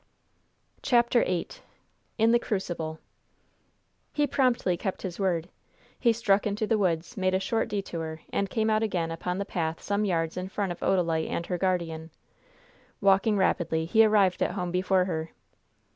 CHAPTER VIII IN THE CRUCIBLE He promptly kept his word. He struck into the woods, made a short detour, and came out again upon the path some yards in front of Odalite and her guardian. Walking rapidly, he arrived at home before her.